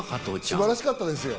素晴らしかったですよ。